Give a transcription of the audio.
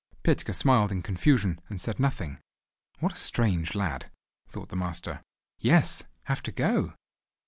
Petka smiled in confusion and said nothing. "What a strange lad," thought the master. "Yes, have to go."